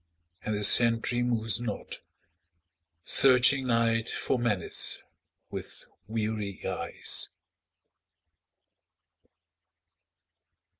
And the sentry moves not, searching Night for menace with weary eyes.